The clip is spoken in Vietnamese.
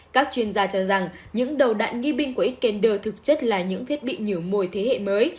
các chuyên gia cho rằng những đầu đạn nghi binh của ecelder thực chất là những thiết bị nhử mồi thế hệ mới